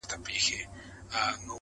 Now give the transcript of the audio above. o د فاصلو په تول کي دومره پخه سوې يمه.